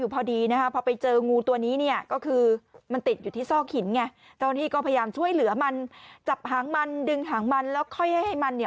ซอกหินไงตอนนี้ก็พยายามช่วยเหลือมันจับหางมันดึงหางมันแล้วค่อยให้มัน